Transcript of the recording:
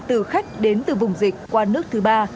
từ khách đến từ vùng dịch qua nước thứ ba